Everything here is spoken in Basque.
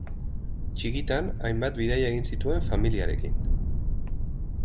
Txikitan hainbat bidaia egin zituen familiarekin.